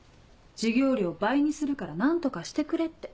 授業料倍にするから何とかしてくれって。